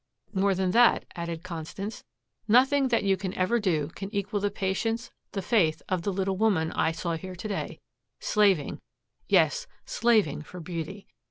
"More than that," added Constance, "nothing that you can ever do can equal the patience, the faith of the little woman I saw here to day, slaving, yes, slaving for beauty.